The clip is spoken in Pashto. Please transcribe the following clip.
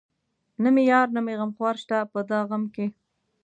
نه مې يار نه مې غمخوار شته په دا غم کې